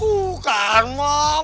tuh kan mah